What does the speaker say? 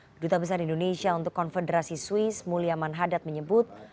kedutaan besar indonesia untuk konfederasi swiss mulya manhadat menyebut